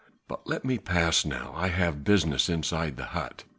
But let me pass now. I have business inside the hut."